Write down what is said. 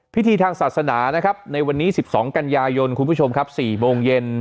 พิธีทางศาสนานะครับในวันนี้๑๒กันยายนคุณผู้ชมครับ๔โมงเย็น